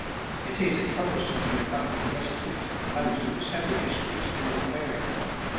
It is a troublesomely abundant resident in mo^ of the settled districts of North America.